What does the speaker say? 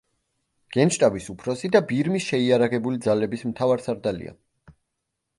გენშტაბის უფროსი და ბირმის შეიარაღებული ძალების მთავარსარდალია.